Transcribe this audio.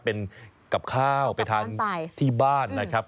เป็นกับข้าวไปทานที่บ้านนะครับ